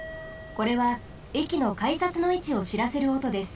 これはえきのかいさつのいちをしらせるおとです。